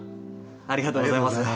ありがとうございます